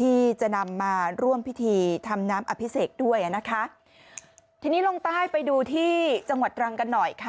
ที่จะนำมาร่วมพิธีทำน้ำอภิเษกด้วยอ่ะนะคะทีนี้ลงใต้ไปดูที่จังหวัดตรังกันหน่อยค่ะ